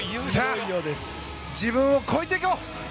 自分を超えていこう！